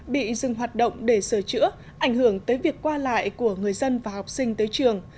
bị dừng hoạt động để sửa chữa ảnh hưởng tới việc qua lại của người dân và học sinh tới trường